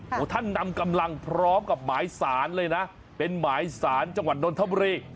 ก็นำกำลังพร้อมกับหมาศาลเป็นหมาศาลจังหวัดโดนธบุรี